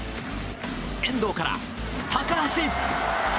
遠藤から、高橋！